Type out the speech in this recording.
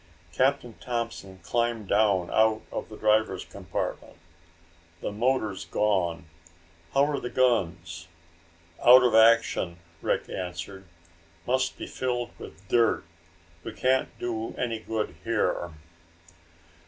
Captain Thompson climbed down out of the driver's compartment. "The motor's gone. How are the guns?" "Out of action," Rick answered. "Must be filled with dirt. We can't do any good here."